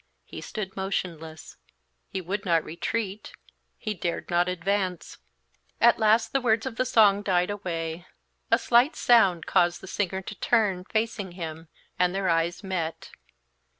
He stood motionless; he would not retreat, he dared not advance. As the last words of the song died away, a slight sound caused the singer to turn, facing him, and their eyes met.